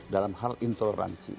dalam hal intoleransi